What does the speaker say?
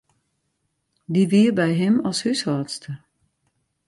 Dy wie by him as húshâldster.